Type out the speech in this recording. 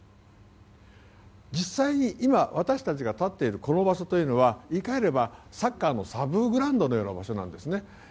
実際に、今私たちが立っているこの場所は言い換えればサッカーのサブグラウンドのような場所なんですね。